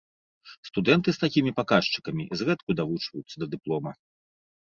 Студэнты з такімі паказчыкамі зрэдку давучваюцца да дыплома.